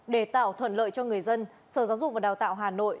để tạo thuận lợi cho người dân sở giáo dục và đào tạo hà nội